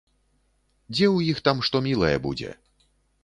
Дзе ў іх там што мілае будзе!